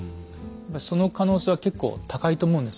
その可能性は結構高いと思うんですね。